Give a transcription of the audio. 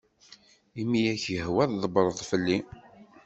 Imi i ak-yehwa tḍbbreḍ fell-i.